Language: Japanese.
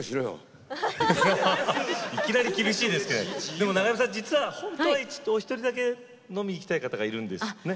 でも長山さん実は本当はお一人だけ飲みに行きたい方がいるんですよね。